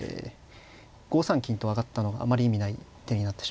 ５三金と上がったのがあんまり意味ない手になってしまうので。